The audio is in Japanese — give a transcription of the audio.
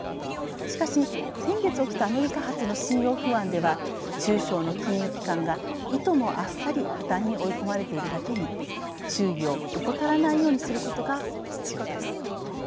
しかし、先月起きたアメリカ発の信用不安では中小の金融機関がいともあっさり破綻に追い込まれているだけに注意を怠らないようにすることが必要です。